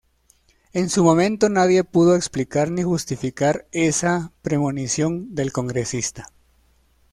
En su momento nadie pudo explicar ni justificar esa premonición del congresista.